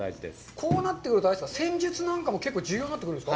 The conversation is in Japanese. こうなってくると、戦術なんかも結構重要になってくるんですか。